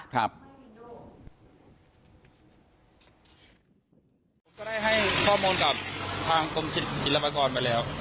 ผมก็ได้ให้ข้อมูลกับทางกรมศิลปากรไปแล้ว